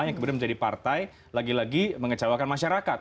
yang kemudian menjadi partai lagi lagi mengecewakan masyarakat